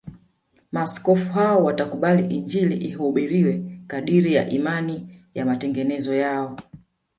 Maaskofu hao watakubali Injili ihubiriwe kadiri ya imani ya matengenezo yao